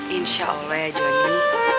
insyaallah ya johnny